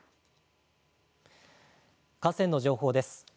河川の情報です。